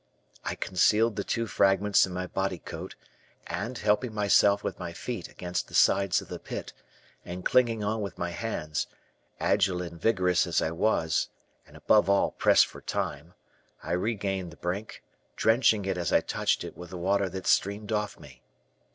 I concealed the two fragments in my body coat, and, helping myself with my feet against the sides of the pit, and clinging on with my hands, agile and vigorous as I was, and, above all, pressed for time, I regained the brink, drenching it as I touched it with the water that streamed off me.